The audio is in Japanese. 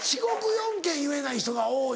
４県言えない人が多い。